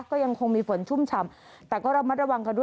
ก็ยังคงมีฝนชุ่มฉ่ำแต่ก็ระมัดระวังกันด้วย